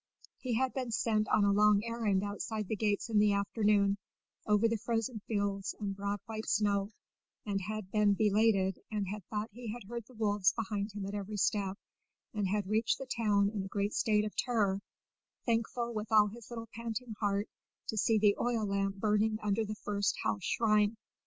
He had been sent on a long errand outside the gates in the afternoon, over the frozen fields and broad white snow, and had been belated, and had thought he had heard the wolves behind him at every step, and had reached the town in a great state of terror, thankful with all his little panting heart to see the oil lamp burning under the first house shrine.